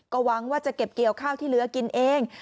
ก็หวังว่าจะเก็บเกี่ยวข้าวที่เหลือกินเอง